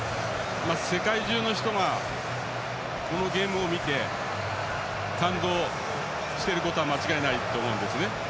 世界中の人がこのゲームを見て感動していることは間違いないと思います。